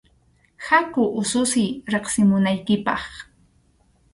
Haku ususiy riqsimunaykipaq.